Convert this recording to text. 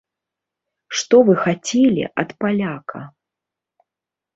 Што вы хацелі ад паляка.